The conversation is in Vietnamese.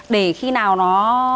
để khi nào nó